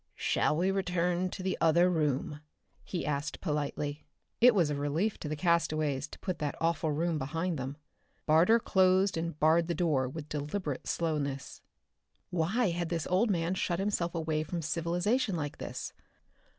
"Shall we return to the other room?" he asked politely. It was a relief to the castaways to put that awful room behind them. Barter closed and barred the door with deliberate slowness. Why had this old man shut himself away from civilization like this?